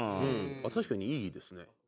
確かにいいですね。